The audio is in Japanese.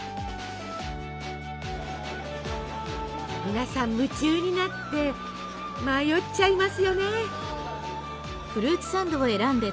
皆さん夢中になって迷っちゃいますよね。